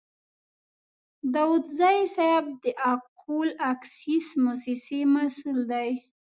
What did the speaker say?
داودزی صیب د اکول اکسیس موسسې مسوول دی.